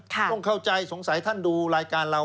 ต้องเข้าใจสงสัยท่านดูรายการเรา